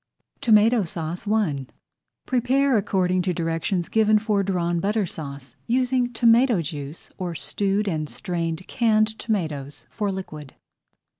TOMATO SAUCE I Prepare according to directions given for Drawn Butter Sauce, using tomato juice or stewed and strained canned tomatoes for liquid.